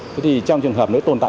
thế thì trong trường hợp nếu tồn tại